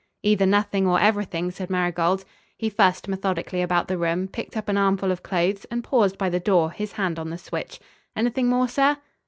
"Either nothing or everything," said Marigold. He fussed methodically about the room, picked up an armful of clothes, and paused by the door, his hand on the switch. "Anything more, sir?"